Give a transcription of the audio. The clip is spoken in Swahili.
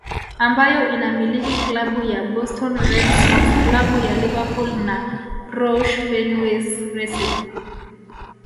Ambayo inamiliki Klabu ya Boston Red Sox klabu ya Liverpool na Roush Fenways Racing